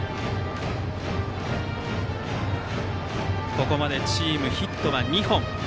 ここまでチームでヒットは２本。